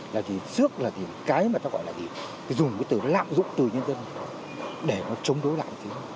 là cái mà ta gọi là dùng cái từ lạm dụng từ nhân dân để nó chống đối lại